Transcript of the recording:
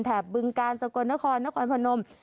แบึงกาลสกลนครนครพนม